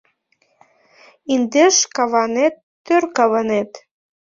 Индеш каванет - тӧр каванет